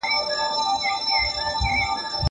زه هره ورځ چپنه پاکوم.